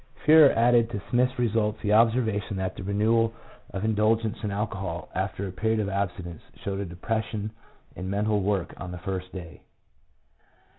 Fuerer added to Smith's results the observation that the renewal of indulgence in alcohol after a period of abstinence, showed a depression in mental work on the first day.